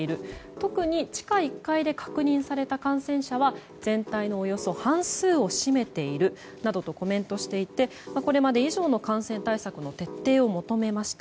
特に、地下１階で確認された感染者は全体のおよそ半数を占めているなどとコメントしていてこれまで以上の感染対策の徹底を求めました。